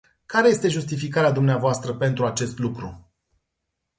Care este justificarea dvs. pentru acest lucru?